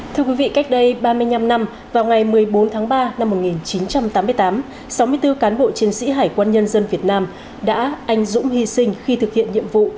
thưa quý vị cách đây ba mươi năm năm vào ngày một mươi bốn tháng ba năm một nghìn chín trăm tám mươi tám sáu mươi bốn cán bộ chiến sĩ hải quân nhân dân việt nam đã anh dũng hy sinh khi thực hiện nhiệm vụ